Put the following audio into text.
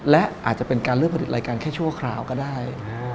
และอาจจะเป็นการเลือกผลิตรายการแค่ชั่วคราวก็ได้